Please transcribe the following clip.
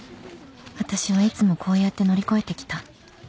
私はいつもこうやって乗り越えてきた